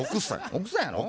奥さんやの？